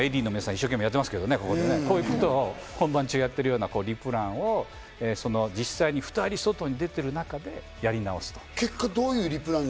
ＡＤの皆さん、今、一生懸命やってますけど、こういうことを本番中やってるようなリプランを実際に２人、外に出ている中でやり直す。